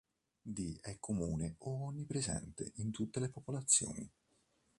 Di è comune o onnipresente in tutte le popolazioni.